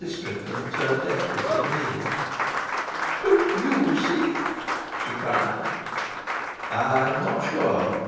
Strickland turned desperately to me. "Don't see?" she cried. "I'm not sure.